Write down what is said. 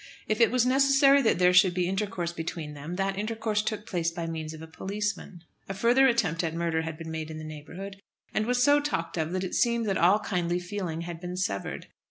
If it was necessary that there should be intercourse between them, that intercourse took place by means of a policeman. A further attempt at murder had been made in the neighbourhood, and was so talked of that it seemed that all kindly feeling had been severed.